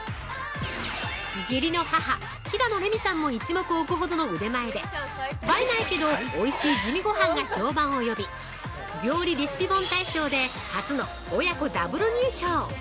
義理の母、平野レミさんも一目置くほどの腕前で映えないけどおいしい地味ごはんが評判を呼び料理レシピ本大賞で初の母娘Ｗ入賞！